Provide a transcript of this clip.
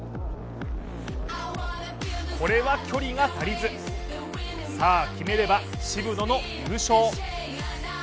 これは距離が足りずさあ決めれば渋野の優勝。